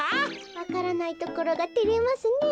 わからないところがてれますねえ。